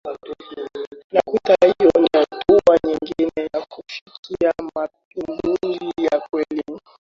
na kuita hiyo ni hatua nyingine ya kufikia mapinduzi ya kweli